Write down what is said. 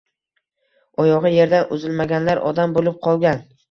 Oyogʻi yerdan uzilmaganlar odam boʻlib qolgan.